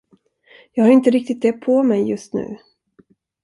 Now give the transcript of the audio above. Jag har inte riktigt det på mig just nu.